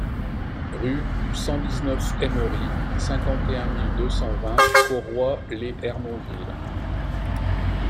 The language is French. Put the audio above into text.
Rue du cent dix-neuf Eme Ri, cinquante et un mille deux cent vingt Cauroy-lès-Hermonville